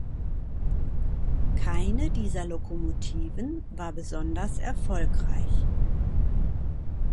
Keine dieser Lokomotiven war besonders erfolgreich.